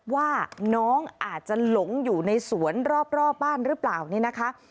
ว่าน้องอาจจะหลงอยู่ในสวนรอบบ้านหรือเปล่าเนี่ยนะคะ